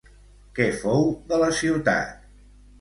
Què fou de la ciutat?